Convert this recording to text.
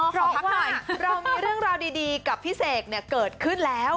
เพราะว่าเรามีเรื่องราวดีกับพี่เสกเนี่ยเกิดขึ้นแล้ว